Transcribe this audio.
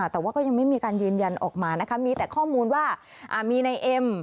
แต่ว่าก็ยังไม่มีการยืนยันออกมานะคะมีแต่ข้อมูลว่ามีในเอ็ม